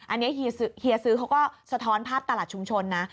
อันนี้เฮียซื้อเขาก็สะท้อนภาพตลาดชุมชนนะ